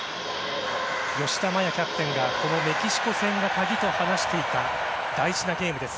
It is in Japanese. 吉田麻也キャプテンがこのメキシコ戦が鍵と話していた大事なゲームです。